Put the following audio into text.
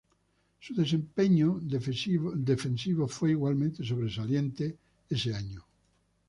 Su desempeño defensivo fue igualmente sobresaliente ese año.